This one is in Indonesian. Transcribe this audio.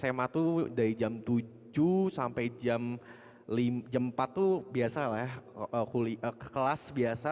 sma tuh dari jam tujuh sampai jam empat tuh kelas biasa